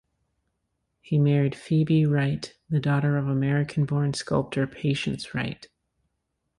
He married Phoebe Wright, the daughter of American-born sculptor Patience Wright.